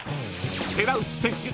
［寺内選手